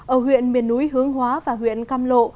ở huyện miền núi hướng hóa và huyện cam lộ